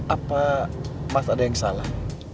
apa mas ada yang salah